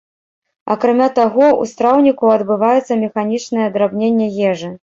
Акрамя таго, у страўніку адбываецца механічнае драбненне ежы.